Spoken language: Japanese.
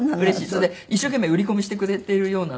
それで一生懸命売り込みしてくれてるようなので。